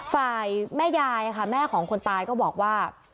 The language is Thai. ฝ่ายแม่ยายแม่ของคนตายก็บอกว่า